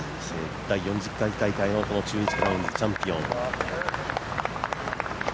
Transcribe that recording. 第４０回大会の中日クラウンズチャンピオン。